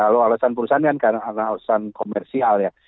kalau alasan perusahaan kan karena alasan komersial ya